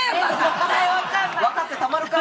わかってたまるか！